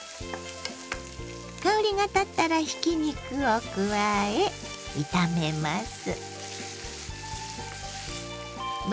香りが立ったらひき肉を加え炒めます。